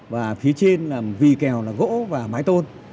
và phía trên là vì kèo là gỗ và mái tôn